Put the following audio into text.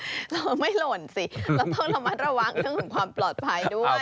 เราไม่หล่นสิเราต้องระมัดระวังเรื่องของความปลอดภัยด้วย